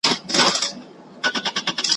وایم ګوندي چي پناه سم ,